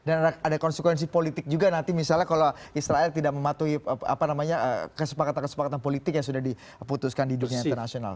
dan ada konsekuensi politik juga nanti misalnya kalau israel tidak mematuhi apa namanya kesepakatan kesepakatan politik yang sudah diputuskan di hidupnya internasional